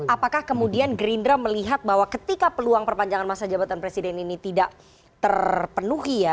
apakah kemudian gerindra melihat bahwa ketika peluang perpanjangan masa jabatan presiden ini tidak terpenuhi ya